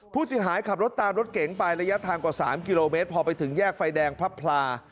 ผู้เสียหายขับรถตามรถเก๋งไประยะทางกว่า๓กิโลเมตรพอไปถึงแยกไฟแดงพระพลา